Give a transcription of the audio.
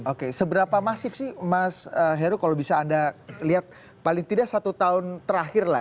oke seberapa masif sih mas heru kalau bisa anda lihat paling tidak satu tahun terakhir lah